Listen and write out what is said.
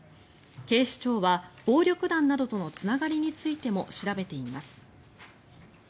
警視庁は暴力団などとのつながりについても調べています。